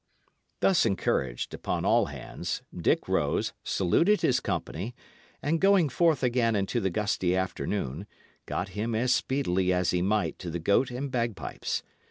Thus encouraged upon all hands, Dick rose, saluted his company, and going forth again into the gusty afternoon, got him as speedily as he might to the Goat and Bagpipes.